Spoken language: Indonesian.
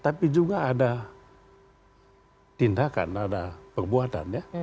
tapi juga ada tindakan ada perbuatan ya